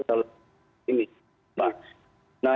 nah ini hal